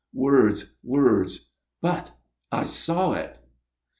words words but I saw it."